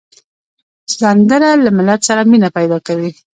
سندره له ملت سره مینه پیدا کوي